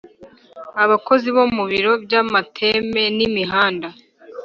Abakozi bo mu biro by amateme n imihanda